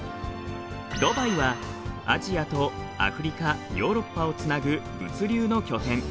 ドバイはアジアとアフリカヨーロッパをつなぐ物流の拠点。